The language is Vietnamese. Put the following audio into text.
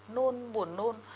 nôn buồn nôn